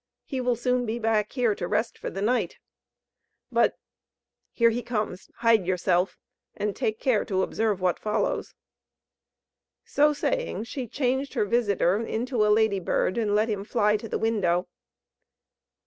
He will soon be back here, to rest for the night.... But ... here he comes; hide yourself, and take care to observe what follows." So saying she changed her visitor into a lady bird, and let him fly to the window.